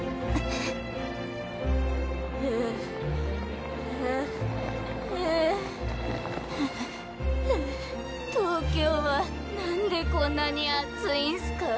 ハァハァ東京はなんでこんなに暑いんすか。